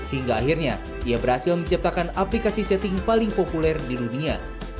hingga akhirnya ia berhasil menciptakan aplikasi chatting paling populer di dunia